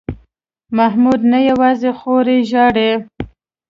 محمود نه یوازې خور یې ژاړي.